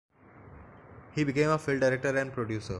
He became a film director and producer.